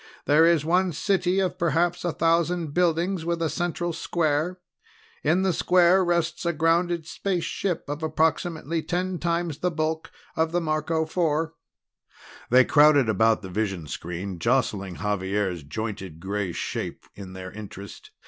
There is one city of perhaps a thousand buildings with a central square. In the square rests a grounded spaceship of approximately ten times the bulk of the Marco Four." They crowded about the vision screen, jostling Xavier's jointed gray shape in their interest.